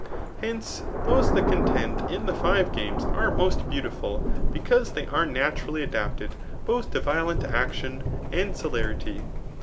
..Hence, those that contehd in the five games are most beautiful, because they, are naturally adapted both to violent; action, a^d celerity.